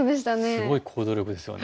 すごい行動力ですよね。